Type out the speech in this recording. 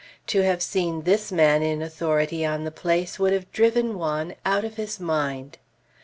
To have seen this man in authority on the place, would have driven Juan out of his mind.